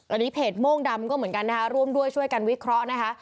อันนี้เพจโม่งดำก็เหมือนกันนะคะร่วมด้วยช่วยกันวิเคราะห์นะคะ